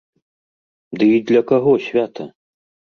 Ды й для каго свята?